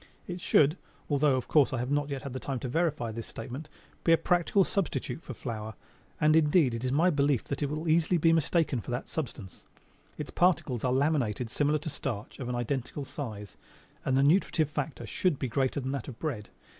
It should, although of course I have not yet had time to verify this statement, be a practical substitute for flour; and indeed, it is my belief that it will easily be mistaken for that substance. Its particles are laminated similar to starch, of an identical size, and the nutritive factor should be greater than that of bread.